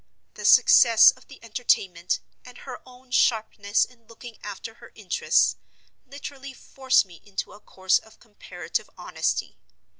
The success of the Entertainment, and her own sharpness in looking after her interests, literally force me into a course of comparative honesty.